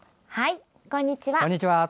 こんにちは。